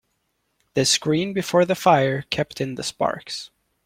The screen before the fire kept in the sparks.